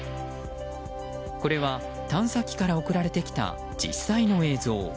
これは、探査機から送られてきた実際の映像。